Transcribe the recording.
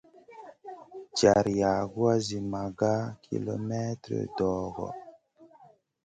Jar yagoua zi maga kilemètre dogo.